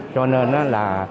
cho nên là